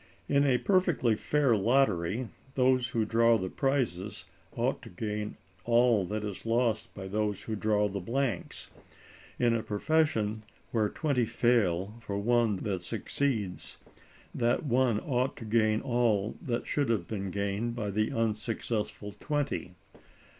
In a perfectly fair lottery, those who draw the prizes ought to gain all that is lost by those who draw the blanks. In a profession where twenty fail for one that succeeds, that one ought to gain all that should have been gained by the unsuccessful twenty.